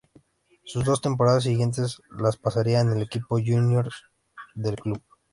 Sus dos temporadas siguientes las pasaría en el equipo júnior del club.